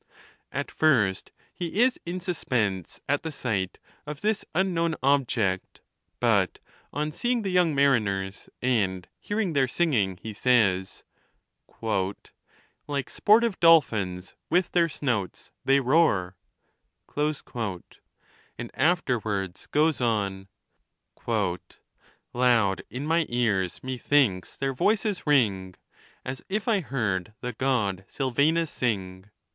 At first he is in suspense at the sight of this unknown ob ject; but on seeing the young mariners, and hearing their singing, he says, Like sportive dolphins, with their snouts they roar;° and afterward goes on. Loud in my ears methinks their voices ring, As if I heard the God Sylvanus sing.